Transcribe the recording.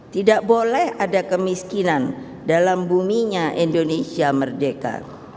tidak boleh ada kemiskinan dalam buminya indonesia merdeka